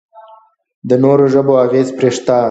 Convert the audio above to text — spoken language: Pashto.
د نورو ژبو اغېز پرې شته.